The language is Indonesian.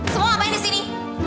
semua ngapain di sini